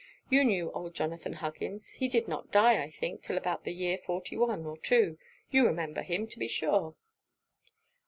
You knew old Jonathan Huggins: he did not die, I think, 'till about the year forty one or two. You remember him, to be sure?'